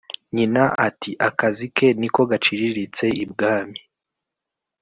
nyina ati"akazi ke niko gaciriritse ibwami